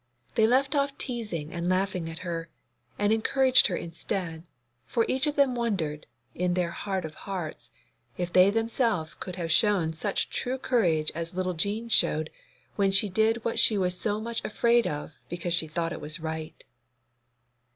They left off teasing and laughing at her, and encouraged her instead, for each of them wondered, in their heart of hearts, if they themselves could have shown such true courage as little Jean showed when she did what she was so much afraid of because she thought it right.